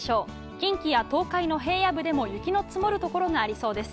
近畿や東海の平野部でも雪の積もるところがありそうです。